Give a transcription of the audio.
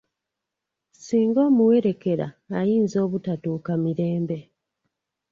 Singa omuwerekera ayinza obutatuuka mirembe